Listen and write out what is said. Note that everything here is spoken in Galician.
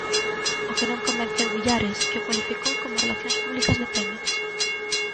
O que non convenceu Villares, que o cualificou como relacións públicas de Pemex.